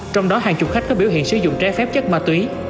trong đó hàng chục khách có biểu hiện sử dụng trái phép chất ma túy